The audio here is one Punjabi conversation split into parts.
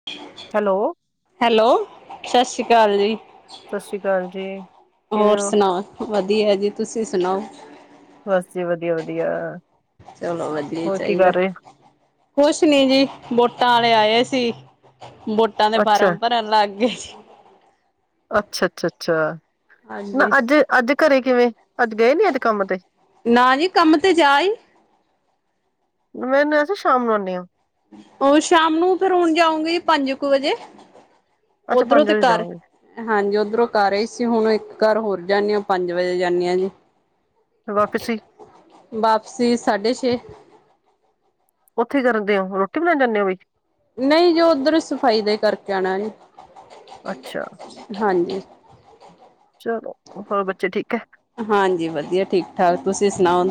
[unintelligible] ਹੈਲੋ। ਹੈਲੋ, ਸਤਿ ਸ਼੍ਰੀ ਅਕਾਲ ਜੀ। ਸਤਿ ਸ੍ਰੀ ਅਕਾਲ ਜੀ। ਕਿਵੇਂ ਹੋਰ ਹੋ? ਸੁਣਾਓ, ਵਧੀਆ ਜੀ ਤੁਸੀ ਸੁਣਾਓ। ਬਸ ਜੀ ਵਧੀਆ ਵਧੀਆ। ਚਲੋ ਵਧੀਆ ਹੀ ਹੋਰ ਕੀ ਚਾਹੀਦਾ ਕਰ ਰਹੇ? ਕੁਛ ਨੀ ਜੀ ਵੋਟਾਂ ਆਲੇ ਆਏ ਸੀ ਵੋਟਾਂ ਦੇ ਅੱਛਾ, ਫਾਰਮ ਭਰਨ ਲੱਗ ਗਏ ਜੀ। ਅੱਛਾ ਅੱਛਾ, ਅੱਛਾ ਨਾ ਹਾਂਜੀ ਅੱਜ ਅੱਜ ਘਰੇ ਕਿਵੇਂ? ਅੱਜ ਗਏ ਨੀ ਅੱਜ ਕੰਮ ਤੇ। ਨਾ ਜੀ ਕੰਮ ਤੇ ਜਾ ਹੀ ਮੈਨੂੰ ਐ ਸੀ ਸ਼ਾਮ ਨੂੰ ਆਨੀ ਆ। ਓ ਸ਼ਾਮ ਨੂੰ ਫੇਰ ਹੁਣ ਜਾਓ ਗੇ ਪੰਜ ਕ ਵਜੇ ਅੱਛਾ ਓਧਰੋਂ ਪੰਜ ਤੇ ਵਜੇ ਘਰ ਜਾਓਗੇ, ਹਾਂਜੀ ਓਧਰੋਂ ਕਰ ਆਈ ਸੀ ਹੁਣ ਇੱਕ ਘਰ ਹੋਰ ਜਾਂਣੀ ਹਾਂ ਪੰਜ ਵਜੇ ਜਾਨੀ ਆਂ ਜੀ। ਤੇ ਵਾਪਸੀ। ਵਾਪਸੀ ਸਾਢੇ ਛੇ। ਓਥੇ ਕਰਦੇ ਓ ਹੋ ਰੋਟੀ ਬਣਾਣ ਜਾਂਨੇ ਔ ਵਈ। ਨਈ ਜੋ ਓਧਰ ਨੂੰ ਸਫ਼ਾਈ ਦਾ ਈ ਕਰਕੇ ਆਣਾ ਜੀ ਅੱਛਾ, ਹਾਂਜੀ। ਚਲੋ, ਹੋਰ ਬੱਚੇ ਠੀਕ ਐ। ਹਾਂਜੀ ਵਧੀਆ ਠੀਕ ਠਾਕ। ਤੁਸੀਂ ਸੁਣਾਓ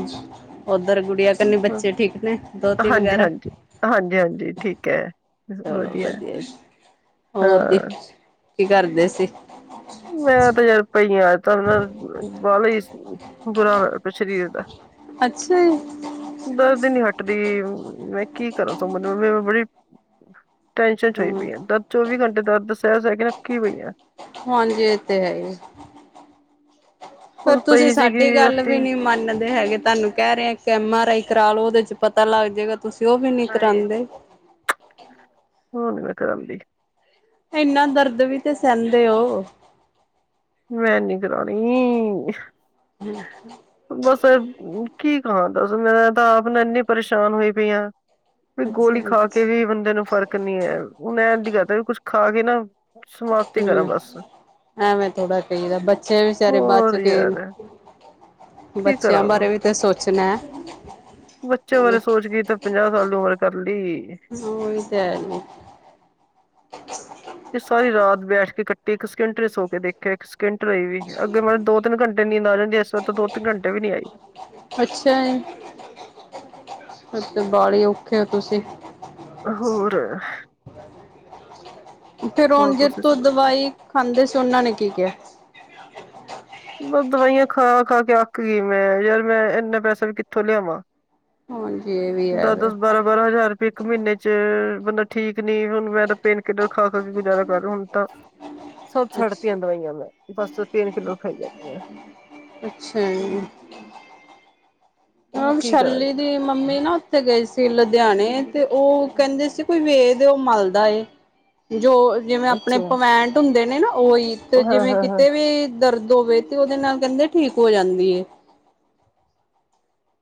ਓਧਰ ਗੂੜ੍ਹੀਆ। ਬੱਚੇ ਠੀਕ ਨੇ ਦੋਤੀ ਵਗੈਰਾ। ਹਾਂਜੀ-ਹਾਂਜੀ। ਹਾਂਜੀ-ਹਾਂਜੀ, ਠੀਕ ਹੈ, ਚਲੋ ਵਧੀਆ ਹੋਰ ਜੀ ਹਾਂ। ਕੀ ਕਰਦੇ ਸੀ? ਮੈਂ ਤੇ ਯਾਰ ਪਈਆਂ ਅੱਜ ਤਾਂ ਮੈਂ ਵਾਲੀ ਈ ਬੁਰਾ ਹੋਇਆ ਪਿਆ ਸ਼ਰੀਰ ਦਾ। ਅੱਛਾ। ਦਰਦ ਈ ਨੀ ਹਟਦੀ ਮੈਂ ਕੀ ਕਰਾਂ ਸਮਰ ਮ ਬੜੀ ਟੈਨਸ਼ਨ ਚ ਹੋਈ ਹੂੰ ਪਈ ਏ ਦਰਦ ਚੌਵੀ ਘੰਟੇ ਦਰਦ ਸਹਿ ਸਹਕੇ ਅਕੀ ਪਈ ਆ। ਹਾਂਜੀ ਏ ਤੇ ਹੈ ਈ। ਫੇਰ ਹੁਣ ਤੁਸੀ ਪਈ ਸਾਡੀ ਸੀਗੀ ਗੱਲ ਰਾਤੀ ਵੀ ਨੀ ਮੰਨਦੇ ਹੈਗੇ। ਤੁਹਾਨੂੰ ਕਹਿ ਰਹੇ ਆ ਕੇ ਐਮ ਆ ਰਾਈ ਕਰਾ ਲਓ ਉਹਦੇ ਚ ਪਤਾ ਲੱਗ ਜੇਗਾ ਤੁਸੀਂ ਓਵੀ ਨੀ ਨਹੀਂ ਕਰਾਂਦੇ। ਹੁਣ ਨੀ ਮੈਂ ਕਰਾਂਦੀ। ਐਨਾ ਦਰਦ ਵੀ ਤੇ ਸਹਿੰਦੇ ਓ। ਮੈਂ ਨੀ ਕਰਾਉਣੀ। ਬਸ ਕੀ ਕਹਾਂ ਦੱਸ ਮੈਂ ਤਾਂ ਆਪ ਨੇ ਇੰਨੀ ਪਰੇਸ਼ਾਨ ਹੋਈ ਪਈ ਆਂ। ਵੀ ਅੱਛਾ ਗੋਲੀ ਖਾ ਕੇ ਵੀ ਬੰਦੇ ਨੂ ਫਰਕ ਨੀ ਐ, ਮੈਂ ਅੱਜ ਕਹਿਤਾ ਵੀ ਕੁਛ ਖਾ ਕੇ ਨਾ ਸਮਾਪਤੀ ਕਰਾ ਹੂੰ ਬਸ। ਐਵੇਂ ਥੋੜਾ ਕਈਦਾ ਬੱਚੇ ਵਿਚਾਰੇ ਬੱਚ ਹੋਰ ਗਏ ਨੇ ਯਾਰ ਕੀ ਬੱਚਿਆਂ ਕਰਾਂ ਬਾਰੇ ਵੀ ਤੇ ਸੋਚਨੈ ਬੱਚਿਆਂ ਬਾਰੇ ਸੋਚ ਕੇ ਤਾਂ ਪੰਜ੍ਹਾਹ ਸਾਲ ਦੀ ਉਮਰ ਕਰ ਲੀ। ਹਾਂ ਏ ਤਾਂ ਹੈ ਜੀ ਸਾਰੀ ਰਾਤ ਬੈਠ ਕੇ ਕੱਟੀ ਇਕ ਸਕਿੰਟ ਨੀ ਸੋ ਕੇ ਦੇਖ ਇਕ ਸਕਿੰਟ ਲਈ ਵੀ, ਅੱਗੇ ਮੈਨੂੰ ਦੋ ਤਿੰਨ ਘੰਟੇ ਨੀਂਦ ਆ ਜਾਂਦੀ ਏ ਏਸ ਵਾਰ ਤੇ ਦੋ ਤਿਨ ਘੰਟੇ ਵੀ ਨੀ ਆਈ। ਅੱਛਾ ਈ, ਤੇ ਬਾਲੇ ਔਖੇ ਓ ਤੁਸੀਂ। [unintelligible] [unintelligible] ਫੇਰ ਹੋਰ ਹੋਣ ਤੁਸੀਂ ਜਿਤੋਂ ਸੁਣਾਓ ਦਵਾਈ ਖਾਂਦੇ ਸੀ ਓਨਾਂ ਨੇ ਕੀ ਕਿਆ? ਬਸ ਦਵਾਈਆਂ ਖਾ, ਖਾ ਕੇ ਗੀ ਮੈਂ ਯਾਰ ਮੈਂ ਏਨਾ ਪੈਸਾ ਵੀ ਕਿੱਥੋਂ ਲਿਆਵਾਂ। ਹਾਂਜੀ ਇਹ ਵੀ ਹੈ ਦਸ, ਵੇ ਦਸ ਬਾਰਾਂ, ਬਾਰਾਂ ਹਜਾਰ ਰੁਪਏ ਇਕ ਮਹੀਨੇ ਚ, ਬੰਦਾ ਠੀਕ ਨੀ ਹੁਨ ਮੈਂ ਤਾਂ ਪੇਨ ਕਿਨਰ ਖਾ, ਖਾਕੇ ਗੁਜਾਰਾ ਕਰੀਆਂ, ਹੁਨ ਤਾਂ ਸਬ ਅੱਛ ਛੱਡਤੀਆਂ ਦਵਾਈਆਂ ਮੈਂ ਬਸ, ਪੇਨ ਕਿਲਰ ਖਾਈ ਜਾਨੀ ਆ। ਅੱਛਾ ਜੀ। ਹਾ ਉਹ ਕੀ ਕਰਾਂ ਵਿਸ਼ਾਲੀ ਤੇ ਮੰਮੀ ਨਾ ਓਥੇ ਗਏ ਸੀ ਲੁਧਿਆਣੇ ਤੇ ਓ ਕਹਿੰਦੇ ਸੀ ਕੋਈ ਵੇਦ ਏ ਓ ਮਲਦਾ ਏ। ਜੋ ਜਿਵੇਂ ਅਪਣੇ ਅੱਛਾ ਪਵੈਂਟ ਹੁੰਦੇ ਨੇ ਨਾ ਓਹੀ ਤੇ ਉਹ ਹਾਂ ਜਿਵੇਂ ਹਾਂ ਹਾਂ ਕਿਤੇ ਵੀ ਦਰਦ ਹੋਵੇ ਤੇ ਓਦੇ ਨਾਲ ਕਹਿੰਦੇ ਠੀਕ ਹੋ ਜਾਂਦੀ ਏ।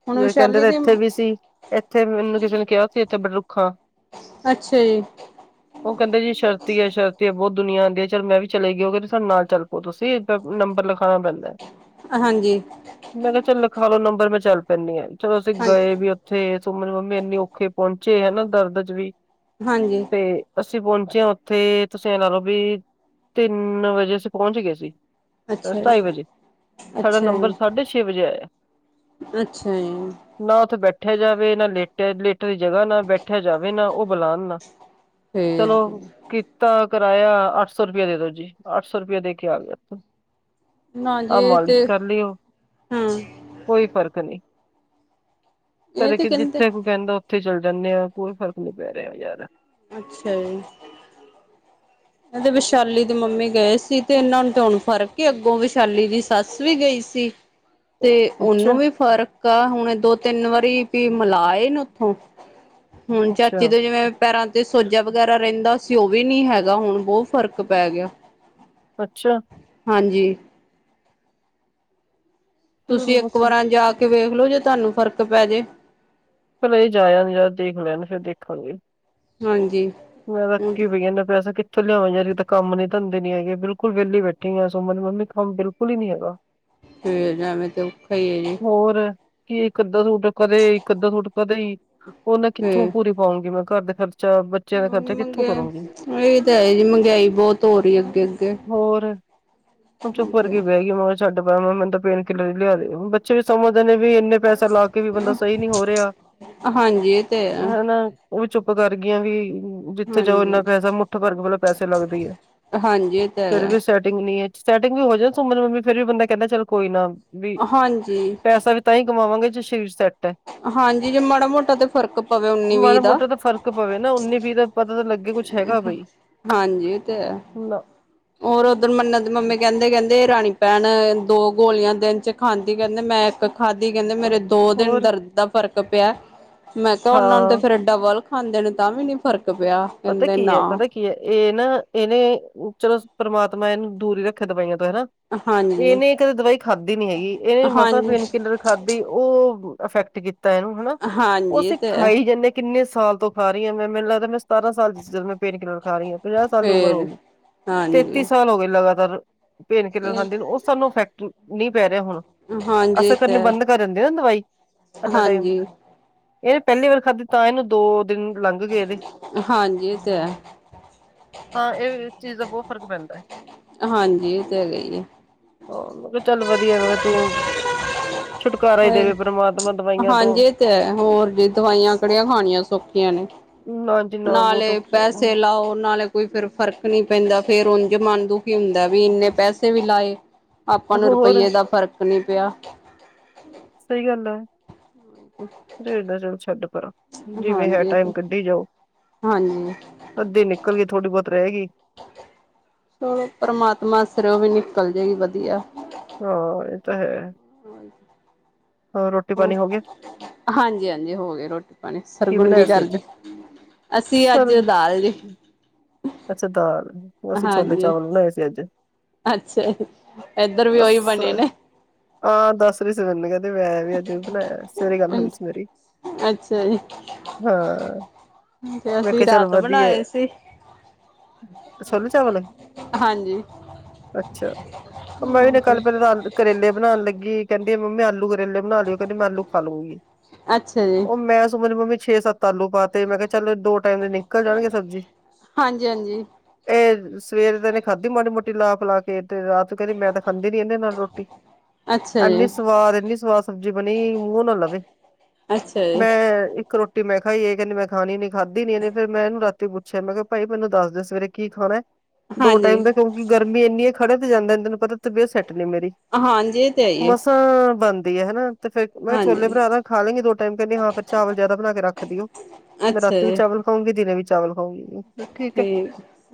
ਹੁਣ ਕਹਿੰਦੇ ਵਿਸ਼ਾਲੀ ਤੇ ਦੀ ਇੱਥੇ ਵੀ ਸੀ, ਇੱਥੇ ਮੈਨੂ ਕਿਸੇ ਨੇ ਕੇਆ ਸੀ ਇੱਥੇ ਬੜਰੁੱਖਾ। ਅੱਛਾ ਈ। ਓ ਕੈਂਦਾ ਜੀ ਸ਼ਰਤੀ ਐ, ਸ਼ਰਤੀ ਐ ਬੋਤ ਦੁਨੀਆਂ ਆਂਦੀ ਐ ਚਲ ਮੈਂ ਵੀ ਚਲੇਗੇ ਓ ਕੈਂਦੇ ਸਾਡੇ ਨਾਲ ਚਲ ਪੋ ਤੂਸੀ। ਨੰਬਰ ਲਖਾਣਾ ਪੈਂਦੈ ਹਾਂਜੀ। ਮੈ ਕੇਆ ਚਲ ਲਿਖਾ ਲੋ ਨੰਬਰ ਮੈਂ ਚਲ ਪੈਂਨੀ ਆ। ਚਲੋ ਅਸੀ ਗਏ ਹਾਂਜੀ ਵੀ ਉੱਥੇ ਸੁਮਨ ਮੰਮੀ ਏਨੀ ਔਖੇ ਪਹੁੰਚੇ ਹੇਨਾ ਦ੍ਰਦ ਚ ਵੀ। ਹਾਂਜੀ। ਤੇ, ਅਸੀਂ ਪ੍ਹੋਚੇਆ ਓੱਥੇ, ਤੂਸੀ ਐਂ ਲਾ ਲਓ ਵੀ ਤਿੰਨ ਵਜੇ ਅਸੀਂ ਪ੍ਹੋਂਚਗੇ ਸੀ। ਅੱਛਾ ਜੀ ਟਾਈ ਵਜੇ, ਸਾਡਾ ਅੱਛਾ ਨੰਬਰ ਜੀ ਸਾਡੇ ਛੇ ਵਜੇ ਆਏਆ। ਅੱਛਾ ਈ ਨਾ ਓੱਥੇ ਬੈਠੇਆ ਜਾਵੇ ਨਾ ਲੇਟੇਆ, ਲੇਟਨ ਦੀ ਜਗਾ ਨਾ ਬੈਠੇਆ ਜਾਵੇ ਨਾ, ਓ ਬੁਲਾਨ ਨਾ, ਫੇਰ ਚਲੋ ਕੀਤਾ ਕਰਾਏਆ ਅੱਠ ਸੌ ਰਪੇ ਦੇਦੋ ਜੀ, ਅੱਠ ਸੌ ਰਪਏ ਦੇਕੇ ਆਗਿਆ ਨਾ ਜੀ ਆ ਇਹ ਤੇ ਮਾਲਿਸ਼ ਕਰ ਲਿਓ, ਹਾਂ ਕੋਈ ਫ੍ਰਕ ਨੀ ਇਹ ਕਦੇ ਤੇ ਕਿ ਕਹਿੰਦੇ ਜਿੱਥੇ ਕੋਈ ਕੈਂਦਾ ਓੱਥੇ ਚਲ ਜਾਂਦੇ ਆ ਕੋਈ ਫ੍ਰਕ ਨੀ ਪੈ ਰੇਆ ਯਾਰ। ਅੱਛਾ ਈ। ਏਤੇ ਵੈਸ਼ਾਲੀ ਦੇ ਮੰਮੀ ਗਏ ਸੀ ਤੇ ਏਨਾਂ ਨੂ ਤੇ ਹੁਨ ਫ੍ਰਕ ਏ ਅੱਗੋਂ ਵੈਸ਼ਾਲੀ ਦੀ ਸੱਸ ਵੀ ਗਈ ਸੀ। ਤੇ ਓਨੂ ਅੱਛਾ ਵੀ ਫਰਕ ਕਾ ਹੁਣ ਏ ਦੋ ਤਿੰਨ ਵਾਰੀ ਵੀ ਮਲਾ ਆਏ ਨੇ ਓੱਥੋਂ, ਹੁਨ ਚਾਚੀ ਅੱਛਾ ਤੋਂ ਜਿਵੇਂ ਪੈਰਾਂ ਤੇ ਸੋੱਜਾ ਵਗੈਰਾ ਰੈਂਦਾ ਸੀ ਓਵੀ ਨੀ ਹੈਗਾ ਹੁਣ ਬ੍ਹੋ ਫ਼ਰਕ ਪੈ ਗਿਆ। ਅੱਛਾ। ਹਾਂਜੀ। ਤੂਸੀ ਚਲੋ ਏਕ ਬਾਕੀ ਵਾਰਾਂ ਜਾ ਕੇ ਵੇਖਲੋ ਜੇ ਤੂਆਨੂੰ ਫ਼ਰਕ ਪੈ ਜੇ। ਪਹਿਲਾ ਏ ਜਾ ਆਨ ਜਰਾ ਦੇਖ ਲੇਨ ਫੇਰ ਦੇਖਾਂਗੇ। ਹਾਂਜੀ। ਮੈਂ ਤਾਂ ਅਕੀਂ ਪਈਆਂ ਏਨਾ ਪੈਸਾ ਕਿ ਕਿਥੋਂ ਲੇਆਵਾਂ ਜਰੀ ਤਾਂ ਕੰਮ ਨੀ, ਧੰਦੇ ਨੀ ਹੈਗੇ ਬਿਲਕੁਲ ਵੈਲੀ ਬੈਠੀ ਆਂ ਸੋਮਾ ਦੀ ਮੰਮੀ ਕੰਮ ਬਿਲਕੁਲ ਈ ਨੀ ਹੈਗਾ। ਫੇਰ ਐਂਵੇ ਤੇ ਔਖਾ ਈ ਐ ਜੀ। ਹੋਰ ਕੀ ਇਕ ਅਧਾ ਸੂਟ ਕਦੇ ਇਕ ਅਧਾ ਸੂਟ ਕਦੇਈ ਉਹਨੇ ਕਿੱਥੋਂ ਫੇਰ ਪੂਰੀ ਪਾਊਂਗੀ ਮੈਂ ਘਰ ਦਾ ਖਰਚਾ ਬੱਚਿਆਂ ਦਾ ਖਰਚਾ ਕੰਮ ਕਿੱਥੋਂ ਮੰਗਿਆ ਕਰੂੰਗੀ ਇਹਹੀ ਤਾਂ ਹੈ ਜੀ ਮਹਿੰਗਾਈ ਬਹੁਤ ਹੋ ਰਹੀ ਐ ਅਗੇ ਅਗੇ ਹੋਰ ਹੁਣ ਚੁੱਪ ਕਰ ਕੇ ਬਹਿ ਗਈ ਮੈਂ ਕਿਹਾ ਛੱਡ ਪਰਾਂ ਮਨੂੰ ਤਾ ਪੇਨ ਕਿਲਰ ਹੀ ਲਿਆ ਦੇ ਬੱਚੇ ਵੀ ਸਮਝਦੇ ਨੇ ਵੀ ਇਨੇ ਪੈਸਾ ਲਾ ਕੇ ਵੀ ਬੰਦਾ ਸਹੀ ਨਹੀ ਹੋ ਰਿਹਾ ਹਾਂਜੀ ਇਹ ਤੇ ਹੈ ਹੈਨਾ ਉਹ ਚੁੱਪ ਕਰਗਆਂ ਵੀ ਜਿਥੇ ਜਾਓ ਇਨਾ ਹਾਂਜੀ ਪੈਸਾ ਮੁੱਠ ਵਰਗ ਵੱਲੋਂ ਪੈਸੇ ਲੱਗਦੇ ਹੈ ਹਾਂਜੀ ਇਹ ਤਾਂ ਫਿਰ ਵੀ ਹੈਗਾ ਸੈਟ ਕਿੰਨੀਆਂ ਚ ਸੈਟਿੰਗ ਵੀ ਹੋ ਜਾਣੀ ਸੁਮਨ ਦੀ ਮੰਮੀ ਫੇਰ ਵੀ ਬੰਦਾ ਕਹਿਦਾ ਚਲ ਕੋਈ ਨਾ ਵੀ ਹਾਂਜੀ ਪੈਸਾ ਵੀ ਤਾਂ ਹੀ ਕਮਾਵਾਂ ਜੇ ਸ਼ਰੀਰ ਸੈਟ ਹਾਂਜੀ ਜੇ ਮਾੜਾ ਮੋਟਾ ਤੇ ਫ਼ਰਕ ਪਵੇ ਉੱਨੀ ਵੀਹ ਮਾੜਾ ਦਾ ਮੋਟਾ ਤਾਂ ਫ਼ਰਕ ਪਵੇ ਨਾ ਉੱਨੀ ਵੀਹ ਦਾ ਪਤਾ ਤਾਂ ਲੱਗੇ ਕੁਛ ਹੈਗਾ ਬਈ ਹਾਂਜੀ ਓ ਤੇਹੈ ਨਾ ਹੋਰ ਉਧਰ ਮੰਨਤ ਦੀ ਮੰਮੀ ਕਹਿਦੇ ਕਹਿਦੇ ਰਾਣੀ ਪੈਣ ਦੋ ਗੋਲੀਆਂ ਦਿਨ 'ਚ ਖਾਂਦੀ ਕਹਿਦੇ ਮੈ ਇਕ ਖਾਧੀ ਕਹਿਦੇ ਮੇਰੇ ਦੋ ਦਿਨ ਹੋਰ ਦਰਦ ਦਾ ਫਰਕ ਪਿਆ ਮੈਂ ਕਿਹਾ ਉਹਨਾ ਨੂੰ ਤੇ ਹਾਂ ਫੇਰ ਡਬਲ ਖਾਂਦੇ ਨੇ ਤਾਂ ਵੀ ਨੀ ਫ਼ਰਕ ਪਿਆ ਪਤਾ ਕਹਿੰਦੇ ਕੀ ਹੈ। ਨਾ ਪਤਾ ਕੀ- ਕੀ ਹੈ। ਇਹ ਨਾ ਇਹਨੇ ਚਲੋ ਪਰਮਾਤਮਾ ਇਹਨੂੰ ਦੂਰ ਹੀ ਰਖਿਆ ਦਵਾਈਆਂ ਤੋ ਹੈਨਾ ਹਾਂਜੀ, ਇਹਨੇ ਕਦੇ ਦਵਾਈ ਖਾਧੀ ਨੀ ਹੈਗੀ ਇਹਨੇ ਮਸਾਂ ਹਾਂਜੀ, ਪੈਣ ਕਿੱਲਰ ਖਾਧੀ ਓ ਅਫੈਕਟ ਕੀਤਾ ਏਨੂ ਹੈਨਾ ਓ ਹਾਂਜੀ ਅਸੀ ਤੇ ਖਾਈ ਜਾਨੇ ਕਿੰਨੇ ਸਾਲ ਤੋਂ ਖਾ ਰੀਆਂ ਮੈਂ, ਮੈਂਨ ਲਗਦਾ ਮੈਂ ਸਤਾਰਾਂ ਸਾਲ ਦੀ ਸੀ ਜਦ ਮੈਂ ਪੇਨ ਕਿਲਰ ਖਾਰੀ ਆਂ ਪੰਜ੍ਹਾ ਸਾਲ ਦੀ ਉਮਰ ਹੋ ਫੇਰ ਗੀ, ਤੇਤੀ ਹਾਂਜੀ ਸਾਲ ਹੋਗੇ ਲਗਾਤਾਰ ਪੇਨ ਕਿਲਰ ਖਾਂਦੀ ਨੂ ਓ ਸਾਨੂ ਅਫੈਕਟ ਨੀ ਪੈ ਰੇਆ ਹੁਣ। ਹਾਂਜੀ ਇਹ ਅਸਰ ਤੇ ਕਰਨੀ ਹੈ, ਬੰਦ ਕਰ ਦਿੰਦੇ ਨਾ ਦਵਾਈ ਐਨਾ ਟਾਈਮ ਹਾਂਜੀ, ਇਹਨੇ ਪਹਿਲੀ ਵਾਰ ਖਾਧੀ ਤਾਂ ਇਹਨੂੰ ਦੋ ਦਿਨ ਲੰਘ ਗਏ ਇਹਦੇ ਹਾਂਜੀ ਇਹ ਤੇ ਹੈ। ਹਾਂ ਇਹ ਚੀਜ਼ ਦਾ ਬਹੁਤ ਫ਼ਰਕ ਪੈਂਦਾ ਹੈ। ਹਾਂਜੀ ਉਹ ਤੇ ਹੈਗਾ ਹੀ ਹੈ। ਹੋ ਮੈਂ ਕਿਹਾ ਚੱਲ ਵਧੀਆ ਮੈਂ ਕਿਹਾ ਤੂੰ ਛੁਟਕਾਰਾ ਹੀ ਦੇਵੇ ਪਰਮਾਤਮਾ ਦਵਾਈਆਂ ਤੋਂ ਹਾਂਜੀ ਤੇ ਹੈ ਹੋਰ ਜੀ ਦਵਾਈਆਂ ਕਿੜੀਆਂ ਖਾਣੀਆਂ ਸੌਖੀਆਂ ਨੇ ਨਾ- ਜੀ ਨਾ ਬਹੁਤ ਨਾਲੇ ਔਖਾ ਪੈਸੇ ਲਾਓ ਨਾਲੇ- ਕੋਈ ਫੇਰ ਫ਼ਰਕ ਨਹੀ ਪੈਂਦਾ ਫੇਰ ਉਝ ਮਨ ਦੁਖੀ ਹੁੰਦਾ ਵੀ ਇਨੇ ਪੈਸੇ ਵੀ ਲਾਏ ਆਪਾਂ ਨੂੰ ਹੋਰ ਰੁਪਈਏ ਦਾ ਫ਼ਰਕ ਨਹੀ ਪਿਆ- ਸਹੀ ਗੱਲ ਹੈ। ਜਿਰ ਦਾ ਚਿਰ ਛੱਡ ਕਰੋ ਜਿਵੇਂ ਹੈ। ਹਾਂਜੀ ਇਹ ਟਾਈਮ ਤੇ ਕੱਢੀ ਜਾਓ ਹਾਂਜੀ- ਅੱਧੀ ਨਿਕਲ ਗਈ ਥੋੜ੍ਹੀ ਬਹੁਤ ਰਹਿ ਗਈ- ਚਲੋ ਪਰਮਾਤਮਾ ਸਿਰ ਉਹ ਵੀ ਨਿਕਲ ਜਏਗੀ ਵਧੀਆ ਹਾਂ ਇਹ ਤਾਂ ਹੈ। ਹਾਂਜੀ- ਰੋਟੀ ਪਾਣੀ ਹੋ ਗਿਆ- ਹਾਂਜੀ- ਹਾਂਜੀ ਹੋ ਗਏ ਰੋਟੀ ਪਾਣੀ ਸਰਗੁਣ ਕੀ ਬਣਾਇਆ ਸੀ ਅੱਜ ਕਰਜ ਅਸੀ ਅੱਜ ਦਾਲ ਜ ਅਛਾ ਦਾਲ ਅਸੀ ਛੋਲੇ ਚਾਵਲ ਬਣਾਏ ਸੀ ਅੱਜ ਅਛਾ ਇੱਧਰ ਵੀ ਬਸ ਉਹੀ ਬਣੇ ਨੇ- ਹਾਂ ਦੱਸ ਰ ਸੀ ਮਨ ਕ ਮੈਂ ਵੀ ਅੱਜ ਵੀ ਬਣਾਇਆ ਸਵੇਰੇ ਗੱਲ ਹੋਈ ਸੀ ਮੇਰੀ ਅੱਛਾ ਜੀ ਹਾਂ ਤੇ ਮੈਂ ਅਸੀ ਕਿਹਾ ਚੱਲ ਰਾਤ ਵਧੀਆ ਬਣਾਏ ਸੀ। ਹਾਂਜੀ- ਅਛਾ ਮਾੀ ਨੇ ਕੱਲ ਪਹਿਲ ਤਾਂਕਰੇਲੇ ਬਣਾਉਣ ਲੱਗੀ ਕਹਿੰਦੀ ਮੰਮੀ ਆਲੂ ਕਰੇਲੇ ਮੈਂ ਅੱਛਾ ਜੀ। ਸੋਚਦਾ ਵੀ ਛੇ ਸੱਤ ਤੁਹਾਨੂੰ ਪਾਤੇ ਮੈਂ ਕਿਹਾ ਚੱਲ ਦੋ ਟਾਈਮ ਨਿਕਲ ਜਾਣਗੇ ਸਬਜੀ ਹਾਂਜੀ ਹਾਂਜੀ ਇਹ ਸਵੇਰ ਦੇ ਨੇ ਖਾਧੀ ਮੋਟੀ ਮੋਟੀ ਲਾ ਪਿਲਾ ਕੇ ਤੇ ਤੇ ਕਹਿੰਦੇ ਮੈਂ ਤਾਂ ਸਮਝ ਨਹੀਂ ਇਹਦੇ ਨਾਲ ਰੋਟੀ ਅੱਛਾ ਜੀ ਇੰਨੀ ਸਵਾਦ ਇਨੀ ਸਬਜੀ ਬਣੀ ਮੂੰਹ ਨਾ ਲਵੇ ਅੱਛਾ ਜੀ ਮੈਂ ਇੱਕ ਤੇ ਮੈਂ ਕਿਹਾ ਜੀ ਇਹ ਕਹਿੰਦੇ ਮੈਂ ਖਾਣੀ ਨਹੀਂ ਖਾਦੀ ਨਹੀਂ ਇਹਨੇ ਫਿਰ ਮੈਂ ਇਹਨੂੰ ਰਾਤੀ ਪੁੱਛਿਆ ਮੈਂ ਕਿਹਾ ਭਾਈ ਮੈਨੂੰ ਦੱਸ ਦੇ ਸਵੇਰੇ ਕੀ ਖਾਣਾ ਦੋ ਹਾਂਜੀ। ਟਾਈਮ ਤੇ ਕਿਉਂਕਿ ਗਰਮੀ ਇਨੀ ਹ ਖੜੇ ਤੇ ਜਾਂਦਾ ਤੈਨੂੰ ਪਤਾ ਤਪੇ ਸੈਟ ਨੇ ਮੇਰੀ ਹਾਂਜੀ ਇਹ ਤੇ ਹੈ ਹੀ ਹੈ ਮਸਾਂ ਬੰ ਇਹ ਹੈਨਾ ਤੇ ਮੈਂ ਛੋਲੇ ਹਾਂਜੀ ਬਣਾ ਤਾ ਖਾ ਲਗੇ ਦੋ ਟਾਈਮ ਕਹਿੰਦੀ ਵਹਾਂ ਪੇ ਚਾਵਲ [inaudible] ਅੱਛਾ ਜੀ ਠੀਕ ਹੈ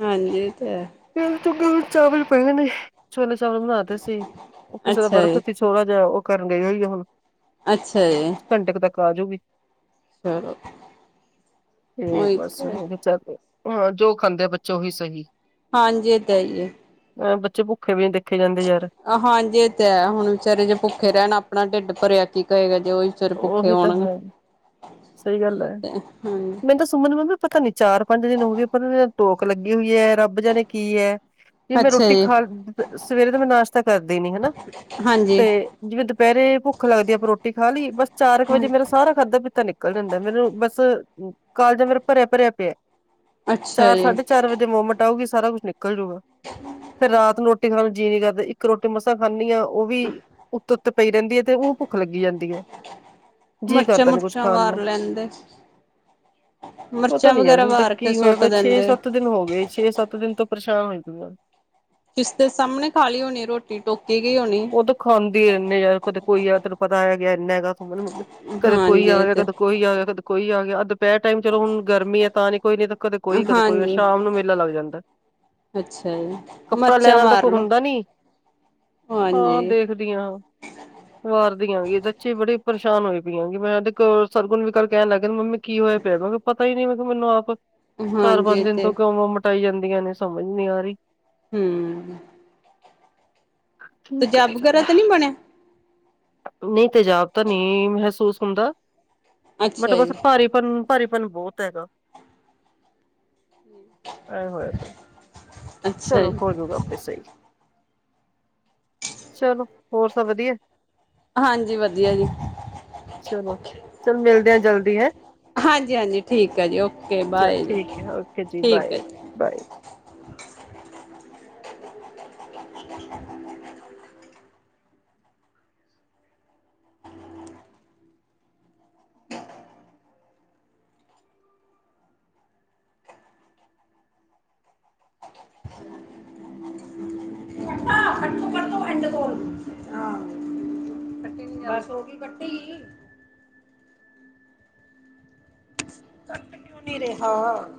ਹਾਂਜੀ ਇਹ ਤੇ ਹੈ ਫ ਚਗੇ ਚਾਵਲ ਪਏ ਨੇ ੋ ਚਾਵਲ ਬਣਾਦੇ ਸੀ ਉਹ ਕਿਸੇ ਦਾ ਅੱਛਾ ਵਰਕ ਜੀ ਸੀ ਛੋੜਾ ਜਿਹਾ ਉਹ ਕਰਨ ਗਈ ਹੋਈ ਆ ਹੁਣ ਅੱਛਾ ਜੀ ਘੰਟੇ ਤੱਕ ਆਜੂਗੀ ਚਲੋ ਠਕ ਉਹੀ ਬਸ ਤੇ ਚੱਲ ਹਾਂ ਜੋ ਖਾਂਦੇ ਆ ਬੱਚੇ ਉਹੀ ਸਹੀ ਹਾਂਜੀ ਦਾਂ ਹੀ ਹੈ ਅ ਬੱਚੇ ਭੁੱਖੇ ਵੀ ਦੇਖੇ ਜਾਂਦੇ ਯਾਰ ਆ ਹਾਂਜੀ ਤੇ ਹੁਣ ਵਿਚਾਰੇ ਜ ਭੁੱਖੇ ਰਹਿਣ ਆਪਣਾ ਢਿੱਡ ਭਰਿਆ ਕੀ ਕਹੇਗਾ ਜੋ ਉਹ ਵੀ ਤਾਂ ਹੈ। ਸਹੀ ਗੱਲ ਹੈ। ਹਾਂਜੀ ਮੈਨੂੰ ਤਾਂ ਸੁਮਨ ਮੰਮੀ ਪਤਾ ਨੀ ਚਾਰ ਪੰਜ ਦਿਨ ਹੋ ਗਏ ਪਰ ਉਹ ਟੋਕ ਲੱਗੀ ਹੋਈ ਹੈ। ਰਬ ਰੱਬ ਜਾਣੇ ਕੀ ਹੈ ਵੀ ਮੈਂ ਅੱਛਾ ਰੋਟੀ ਜੀ ਖਾ ਸਵੇਰੇ ਦਾ ਮੈਂ ਨਾਸ਼ਤਾ ਕਰਦੀ ਨੀ ਹਨਾ ਹਾਂਜੀ- ਤੇ ਜਿਵੇਂ ਦੁਪਹਿਰੇ ਭੁੱਖ ਲੱਗਦੀ ਆਪਾਂ ਰੋਟੀ ਖਾ ਲਈ ਬਸ ਚਾਰ ਕੁ ਹਾਂ ਵਜੇ ਮੇਰੇ ਸਾਰਾ ਖਾਦਾ ਪੀਤਾ ਨਿਕਲ ਜਾਂਦਾ ਮੈਨੂੰ ਬਸ ਕਾਲਜ ਮੇਰੇ ਭਰੇ ਭਰੇ ਪਿਆ ਅੱਛਾ ਚਾਰ ਜੀ ਸਾਢੇ ਚਾਰ ਵਜੇ ਦੇ ਮੂਮੈਂਟ ਆਊਗੀ ਸਾਰਾ ਕੁਝ ਨਿਕਲ ਤੇ ਰਾਤ ਨੂੰ ਰੋਟੀ ਖਾਣ ਨੂੰ ਜੀ ਕਰਦਾ ਇੱਕ ਰੋਟੀ ਮਸਾ ਫਾਨੀ ਆ ਉਹ ਵੀ ਉਤ ਪਈ ਰਹਿੰਦੀ ਹ ਤੇ ਉਹ ਭੁੱਖ ਲੱਗੀ ਜਾਂਦੀ ਹ ਜੀ ਮਿਰਚਾਂ ਕਰਦਾ ਨੇ ਕੁਝ ਮੁਰਚਾਂ ਖਾਣ ਵਾਰ ਨੂੰ ਲੈਂਦੇ ਪਤਾ ਮਿਰਚਾਂ ਨੀ ਵਗੈਰਾ ਤੇ ਵਾਰ ਕੇ ਕੀ ਸੁੱਟ ਹੋਇਆ ਛੇ ਦਿੰਦੇ। ਸੱਤ ਦਿਨ ਹੋ ਗਏ ਛੇ ਸੱਤ ਦਿਨ ਤੋਂ ਪ੍ਰਸ਼ਾਨ ਹੋਈ ਇਸ ਦੇ ਸਾਹਮਣੇ ਖਾਲੀ ਹੋਣੀ ਰੋਟੀ ਕੀ ਹੋਣੀ ਉਹ ਤੂੰ ਖਾਂਦੀ ਯਾਰ ਕਦੇ ਕੋਈ ਤੈਨੂੰ ਪਤਾ ਆ ਗਿਆ ਇਨਾ ਕਦੇ ਕੋਈ ਹਾਂਜੀ ਆ ਇਹ ਗਿਆ ਤੇ ਕਦੇ ਕੋਈ ਆ ਗਿਆ ਕਦੇ ਕੋਈ ਆ ਗਿਆ ਦੁਪਹਿਰ ਟਾਈਮ ਚਲੋ ਹੁਣ ਗਰਮੀ ਹ ਤਾਂ ਨਹੀਂ ਕੋਈ ਨਹੀਂ ਤਾਂ ਕਦੇ ਕੋਈ ਕਦੇ ਕੋਈ ਹਾਂਜੀ ਸ਼ਾਮ ਨੂੰ ਮੇਲਾ ਲੱਗ ਜਾਂਦਾ ਅੱਛਾ ਜੀ ਕੱਪੜਾ ਲੈਣ ਮਿਰਚਾਂ ਵਾਲ ਤਾਂ ਮਾਰ ਕੋਈ ਲੋ ਹੁੰਦਾ ਨੀ ਹਾਂ ਹਾਂਜੀ ਦੇਖਦੀ ਹਾਂ ਮਾਰਦੀ ਆ ਗਈ ਸੱਚੀ ਬੜੀ ਪਰੇਸ਼ਾਨ ਹੋਏ ਪੀ ਮੈਂ ਤੇ ਸਰਗੁਨ ਕਰ ਕਹਿਣ ਲੱਗ ਮਮੀ ਕੀ ਹੋਇਆ ਪਤਾ ਹੀ ਨਹੀਂ ਮੈਨੂੰ ਆਪ ਚਾਰ ਹਾਂਜੀ ਪੰਜ ਇਹ ਦਿਨ ਤੇ ਤੋਂ ਕਿਉਂ ਮ ਉਲਟੀਆਂ ਹੀ ਆਈ ਜਾਂਦੀਆਂ ਨੇ ਸਮਝ ਨੀ ਆ ਰਹੀ ਹਮ ਤੇਜਾਬ ਵਗੈਰਾ ਤਾਂ ਨੀ ਬਣਿਆ ਨਹੀਂ ਤੇਜਾਬ ਤਾਂ ਨਹੀਂ ਮਹਿਸੂਸ ਹੁੰਦਾ ਬਟ ਅੱਛਾ ਬਸ ਜੀ, ਭਾਰੀ ਪਨ ਭਾਰੀਪਨ ਬਹੁਤ ਹੈਗਾ ਆਏ ਹਾਏ ਅੱਛਾ ਚਲੋ ਜੀ, ਹੋ ਜੂਗਾ ਆਪੇ ਸਹੀ ਚਲੋ ਹੋਰ ਸਭ ਵਧੀਆ ਹਾਂਜੀ ਵਧੀਆ ਜੀ ਚਲੋ ਚਲ ਮਿਲਦੇ ਹ ਜਲਦੀ ਹੈਂ ਹਾਂਜੀ ਹਾਂਜੀ ਠੀਕ ਹੈ ਜੀ ਓਕੇ ਚਲ ਬਾਏ ਜੀ ਠੀਕ ਹੈ ਓਕੇ ਠੀਕ ਹੈ ਬਾਏ ਜੀ ਬਾਏ ਇਡਲ ਸੋਗੀ ਕੱਟੀਗੀ ਰੇਹਾ